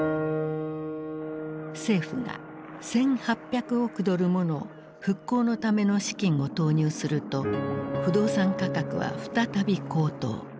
政府が１，８００億ドルもの復興のための資金を投入すると不動産価格は再び高騰。